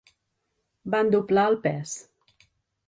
Van doblar el pes.